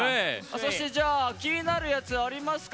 そしてじゃあ気になるやつありますか。